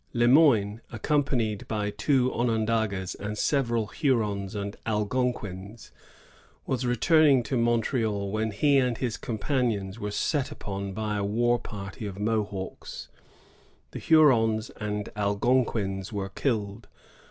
Le Moyne, accompanied by two Onondagas and several Hurons and Algonquins, was returning to Montreal, when he and his com panions were set upon by a war party of Mohawks. The Hurons and Algonquins were killed.